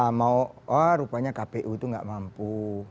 ya mau wah rupanya kpu itu nggak mampu